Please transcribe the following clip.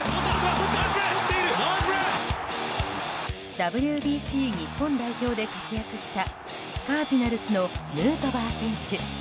ＷＢＣ日本代表で活躍したカージナルスのヌートバー選手。